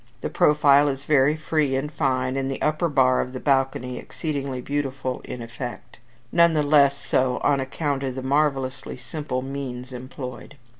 The profile is very free and fine, and the upper bar of the balcony exceedingly beautiful in effect; none the less so on account of the marvellously simple means employed.